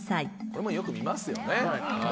これもよく見ますよね。